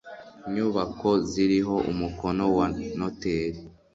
nyubako ziriho umukono wa noteri